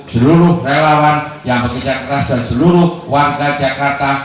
seluruh relawan yang bekerja keras dan seluruh warga jakarta